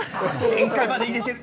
限界まで入れてる。